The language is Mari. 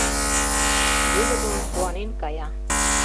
Вӧдырлан куанен кая.